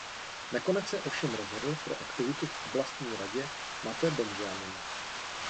Nakonec se ovšem rozhodl pro aktivitu v Oblastní radě Mate Binjamin.